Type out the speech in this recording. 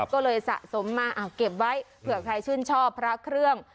ก็เลยสะสมมาเก็บไว้เผื่อใครชื่นชอบพระเครื่อง